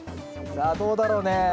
さあどうだろうね？